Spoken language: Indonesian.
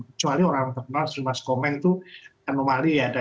kecuali orang terkenal seumur mas komeng itu anomalia